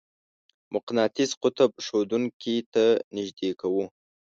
مقناطیس قطب ښودونکې ته نژدې کوو.